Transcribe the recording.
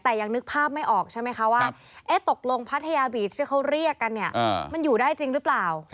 แต่ยังนึกภาพไม่ออกใช่ไหมคะว่าตกลงพัทยาบีชที่เขาเรียกกันเนี่ยมันอยู่ได้จริงหรือเปล่า